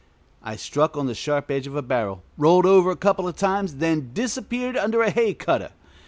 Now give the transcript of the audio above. I struck on the sharp edge of a barrel, rolled over a couple of times, then disappeared under a hay cutter.